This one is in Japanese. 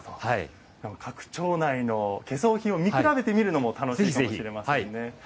各町内の懸装品を見比べてみるのも楽しいかもしれませんね。